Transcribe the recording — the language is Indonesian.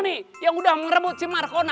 nih yang udah ngerebut si markona